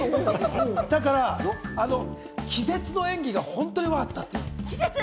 だから気絶の演技が本当によかった。